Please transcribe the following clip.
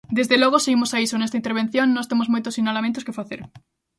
Desde logo, se imos a iso nesta intervención, nós temos moitos sinalamentos que facer.